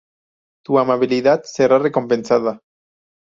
Tu amabilidad será recompensada.